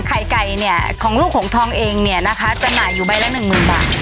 ไข่ไก่เนี่ยของลูกหงทองเองเนี่ยนะคะจำหน่ายอยู่ใบละหนึ่งหมื่นบาท